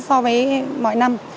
so với mọi năm